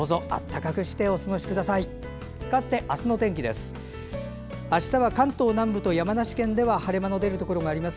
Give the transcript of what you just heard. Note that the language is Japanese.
かわって明日の天気です。